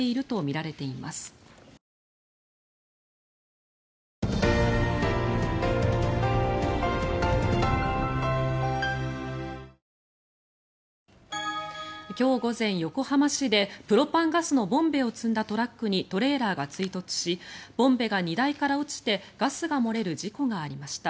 広島サミットで原爆資料館を視察した今日午前、横浜市でプロパンガスのボンベを積んだトラックにトレーラーが追突しボンベが荷台から落ちてガスが漏れる事故がありました。